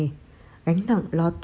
gánh nặng lo toan trong từng hơi thở